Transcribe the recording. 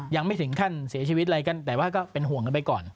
ยังไม่ถึงขั้นเสียชีวิตอะไรกันแต่ว่าก็เป็นห่วงกันไปก่อน